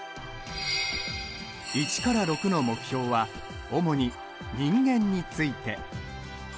１から６の目標は主に「人間」について。